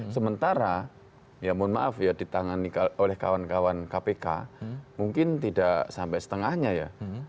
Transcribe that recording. sementara ya mohon maaf ya ditangani oleh kawan kawan kpk mungkin tidak sampai setengahnya ya